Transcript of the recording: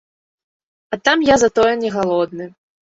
А там я затое не галодны.